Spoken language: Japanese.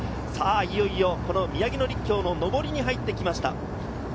いよいよ、この宮城野陸橋の上りに入ってきました。